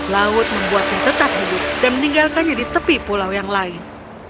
laut membuatnya tetap hidup dan meninggalkannya di tepi pulau yang lain